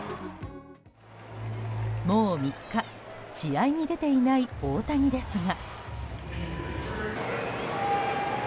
もう３日試合に出ていない大谷ですが。